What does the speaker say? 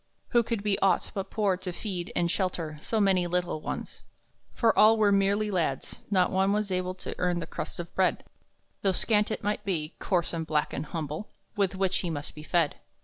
Who could be aught but poor to feed and shelter So many little ones? For all were merely lads; not one was able To earn the crust of bread, Though scant it might be, coarse and black and humble, With which he must be fed.